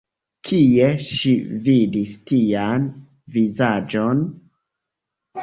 Kie ŝi vidis tian vizaĝon?